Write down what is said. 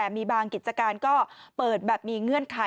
มีบางกิจการก็เปิดแบบมีเงื่อนไข